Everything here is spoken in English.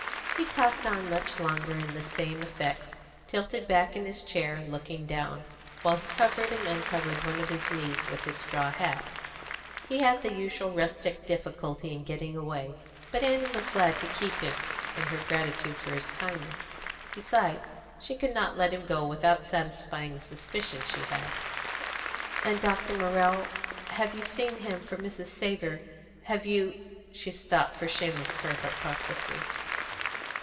He talked on much longer to the same effect, tilted back in his chair, and looking down, while he covered and uncovered one of his knees with his straw hat. He had the usual rustic difficulty in getting away, but Annie was glad to keep him, in her gratitude for his kindness. Besides, she could not let him go without satisfying a suspicion she had. "And Dr. Morrell have you seen him for Mrs. Savor have you " She stopped, for shame of her hypocrisy.